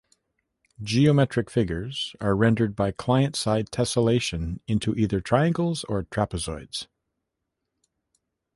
Geometric figures are rendered by client-side tessellation into either triangles or trapezoids.